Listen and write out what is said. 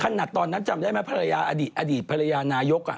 ขนาดตอนนั้นจำได้ไหมภรรยาอดีตภรรยานายก